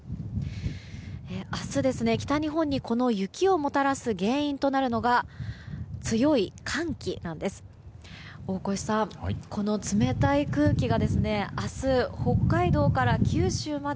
明日、北日本に雪をもたらす原因となるのが強い寒気なんです。